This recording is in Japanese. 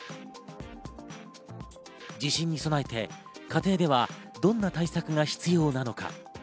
地震に備えて家庭ではどんな対策が必要なのか。